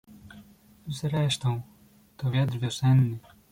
"Zresztą, to wiatr wiosenny."